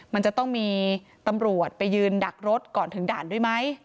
มันจะต้องมีตำรวจไปยืนดักรถก่อนถึงด่านด้วยไหม